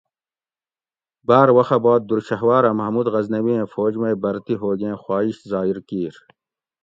باۤر وخہ باد دُر شھوارہ محمود غزنویٔیں فوج مئ بھرتی ھوگیں خواہش ظاہر کیِر